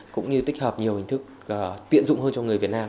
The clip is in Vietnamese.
cũng như tích hợp nhiều hình thức tiện dụng hơn cho người việt nam